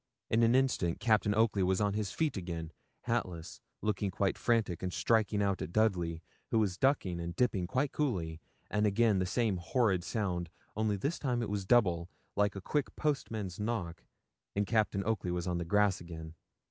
In an instant Captain Oakley was on his feet again, hatless, looking quite frantic, and striking out at Dudley, who was ducking and dipping quite coolly, and again the same horrid sound, only this time it was double, like a quick postman's knock, and Captain Oakley was on the grass again.